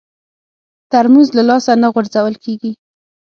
ترموز له لاسه نه غورځول کېږي.